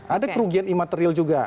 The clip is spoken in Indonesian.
ada kerugian imateril juga